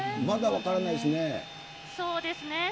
まだ分からないですね。